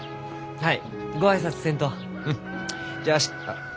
はい。